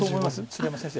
鶴山先生。